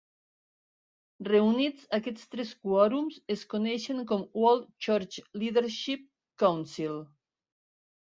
Reunits, aquests tres quòrums es coneixen com World Church Leadership Council.